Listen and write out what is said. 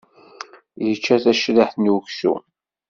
Yečča tacriḥt n uksum.